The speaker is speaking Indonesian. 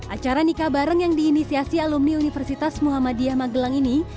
acara nikah bareng yang diinisiasi alumni universitas muhammadiyah magelang ini